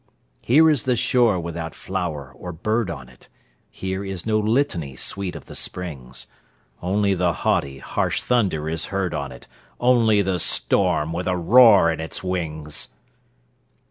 Here is the shore without flower or bird on it; Here is no litany sweet of the springs—Only the haughty, harsh thunder is heard on it, Only the storm, with a roar in its wings!